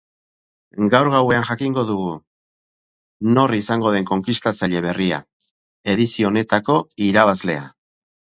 Gaur gauean jakingo dugu nor izango den konkistatzaile berria, edizio honetako irabazlea.